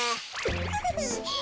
フフフン。